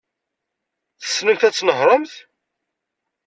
Tessnemt ad tnehṛemt?